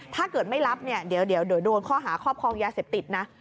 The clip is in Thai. ถ้าเกิดไม่รับเนี่ยเดี๋ยวโดนข้อหาครอบครองยาเสพติดนะ